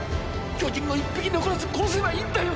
巨人を一匹残らず殺せばいいんだよ！！